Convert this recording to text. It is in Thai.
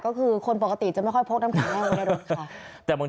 ก็คือคนปกติจะไม่ค่อยพกน้ำแข็งแห้งในรถค่ะแต่บาง